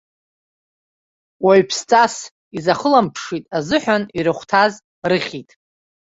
Уаҩԥсҵас изахыламԥшит азыҳәан, ирыхәҭаз рыхьит.